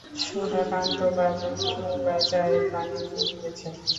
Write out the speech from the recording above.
সুধাকান্তবাবু চুলায় চায়ের পানি চড়িয়েছেন।